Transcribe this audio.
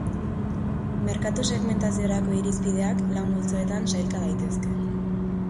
Merkatu-segmentaziorako irizpideak lau multzoetan sailka daitezke.